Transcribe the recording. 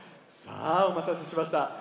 さあおまたせしました。